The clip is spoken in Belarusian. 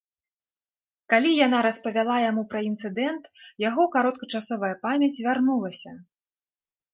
Калі яна распавяла яму пра інцыдэнт, яго кароткачасовая памяць вярнулася.